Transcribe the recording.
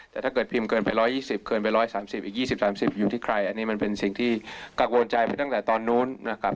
แต่ถ้าเกิดพิมพ์เกินไป๑๒๐เกินไป๑๓๐อีก๒๐๓๐อยู่ที่ใครอันนี้มันเป็นสิ่งที่กังวลใจไปตั้งแต่ตอนนู้นนะครับ